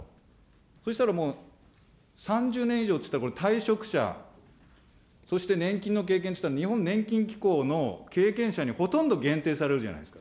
そしたらもう３０年以上っていったらこれ、退職者、そして年金の経験っていったら、日本年金機構の経験者にほとんど限定されるじゃないですか。